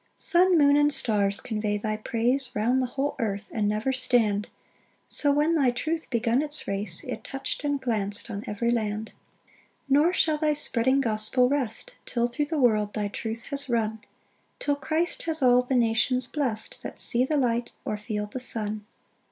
3 Sun, moon, and stars convey thy praise Round the whole earth, and never stand; So when thy truth begun its race, It touch'd and glanc'd on every land. 4 Nor shall thy spreading gospel rest, Till thro' the world thy truth has run; Till Christ has all the nations blest, That see the light, or feel the sun.